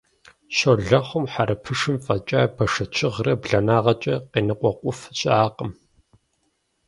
Щолэхъум хьэрыпышым фӀэкӀа бэшэчыгърэ, бланагъкӀэ къеныкъуэкъуф щыӀакъым.